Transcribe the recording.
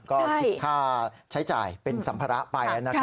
ก็คิดค่าใช้จ่ายเป็นสัมภาระไป